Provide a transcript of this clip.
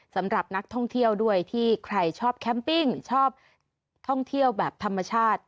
สำหรับนักท่องเที่ยวด้วยที่ใครชอบแคมปิ้งชอบท่องเที่ยวแบบธรรมชาติ